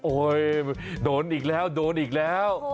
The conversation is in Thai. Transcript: โดนอีกแล้วโดนอีกแล้ว